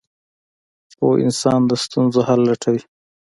• پوه انسان د ستونزو حل لټوي.